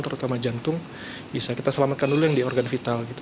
terutama jantung bisa kita selamatkan dulu yang di organ vital gitu